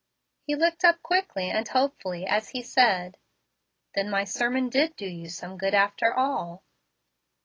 He looked up quickly and hopefully as he said, "Then my sermon did you some good after all."